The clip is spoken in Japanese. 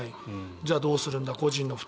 じゃあ、どうするんだ個人の負担。